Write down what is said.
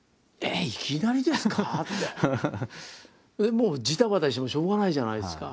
もうじたばたしてもしょうがないじゃないですか。